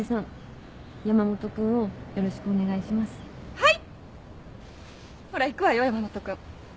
はい。